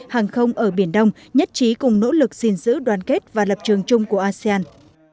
hàng không ở biển đông nhất trí cùng nỗ lực xin giữ đoàn kết và lập trường chung của asean